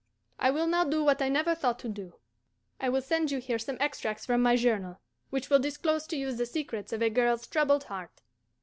I will now do what I never thought to do: I will send you here some extracts from my journal, which will disclose to you the secrets of a girl's troubled heart.